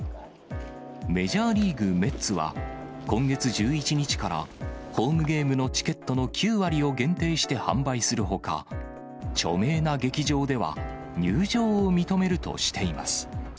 メジャーリーグ・メッツは、今月１１日からホームゲームのチケットの９割を限定して販売するほか、著名な劇場では入場を認めるとしています。